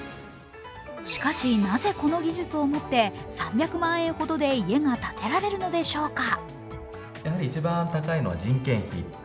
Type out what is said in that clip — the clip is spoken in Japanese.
しかし、なぜこの技術をもって３００万円ほどで家が建てられるのでしょうか。